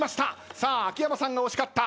さあ秋山さんが押し勝った。